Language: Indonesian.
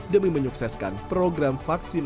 demi menyukseskan program vaksinasi